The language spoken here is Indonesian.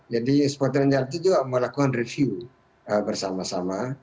jadi ekspert peran jeneral itu juga melakukan review bersama sama